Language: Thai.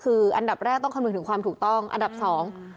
คืออันดับแรกต้องคำนึงถึงความถูกต้องอันดับสอง